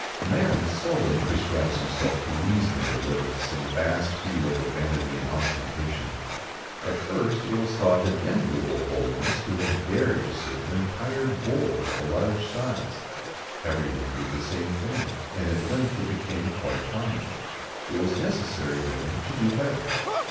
[XIX 68] Man seldom prescribes to himself reasonable limits in the vast field of vanity and ostentation. At first it was thought an enviable boldness to have dared to serve an entire boar of a large size. Every one did the same thing, and at length it became quite common. It was necessary then to do better.